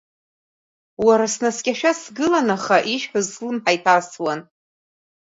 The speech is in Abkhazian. Уара, снаскьашәа сгылан, аха ишәҳәоз слымҳа иҭасуан.